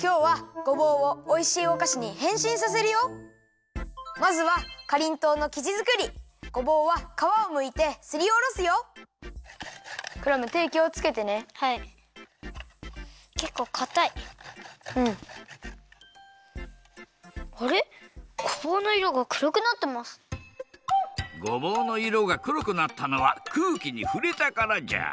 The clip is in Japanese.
ごぼうのいろがくろくなったのはくうきにふれたからじゃ。